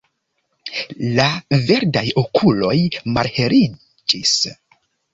La verdaj okuloj malheliĝis.